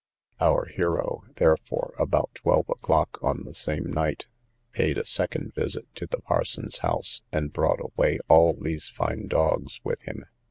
Our hero, therefore, about twelve o'clock on the same night, paid a second visit to the parson's house, and brought away all these fine dogs with him.